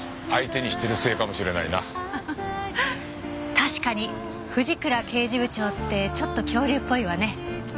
確かに藤倉刑事部長ってちょっと恐竜っぽいわね。